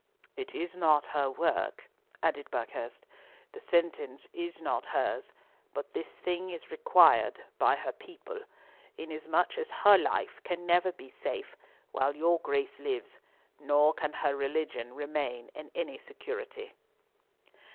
"It is not her work," added Buckhurst; "the sentence is not hers, but this thing is required by her people, inasmuch as her life can never be safe while your Grace lives, nor can her religion remain in any security."